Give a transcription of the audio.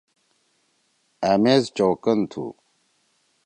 أ میز چؤکن تُھو۔